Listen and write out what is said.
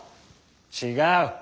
違う。